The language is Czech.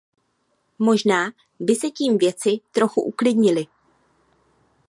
Možná by se tím věci trochu uklidnily.